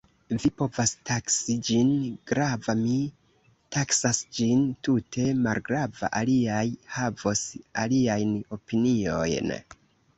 Vi povas taksi ĝin grava, mi taksas ĝin tute malgrava, aliaj havos aliajn opiniojn.